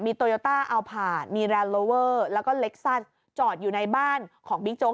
โตโยต้าเอาผาดมีแรนดโลเวอร์แล้วก็เล็กซัสจอดอยู่ในบ้านของบิ๊กโจ๊